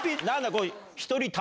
これ。